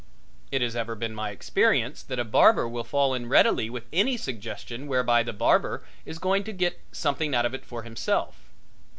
It has ever been my experience that a barber will fall in readily with any suggestion whereby the barber is going to get something out of it for himself.